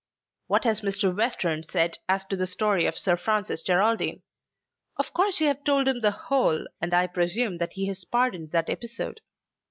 "What has Mr. Western said as to the story of Sir Francis Geraldine? Of course you have told him the whole, and I presume that he has pardoned that episode.